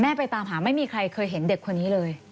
ไปตามหาไม่มีใครเคยเห็นเด็กคนนี้เลย